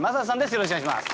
よろしくお願いします。